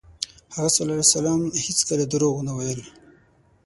هغه ﷺ هېڅکله دروغ ونه ویل.